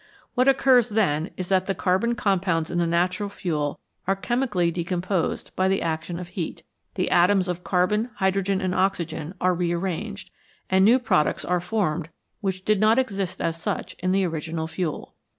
What occurs then is that the carbon compounds in the natural fuel are chemically decomposed by the action of heat ; the atoms of carbon, hydrogen, and oxygen are re arranged, and new products are formed which did not exist as such in the original fuel.